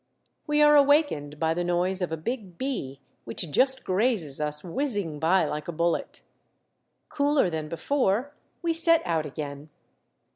We are awakened by the noise of a big bee which just grazes us, whizzing by like a bullet. Cooler than before, we set out again.